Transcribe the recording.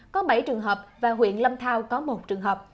có bảy trường hợp và huyện lâm thao có một trường hợp